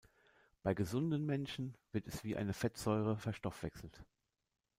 Bei gesunden Menschen wird es wie eine Fettsäure verstoffwechselt.